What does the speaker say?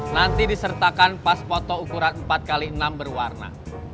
nanti disertakan pas foto ukuran empat x enam berwarna